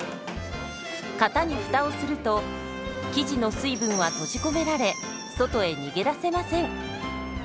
型にフタをすると生地の水分は閉じ込められ外へ逃げ出せません。